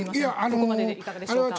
ここまででいかがでしょうか。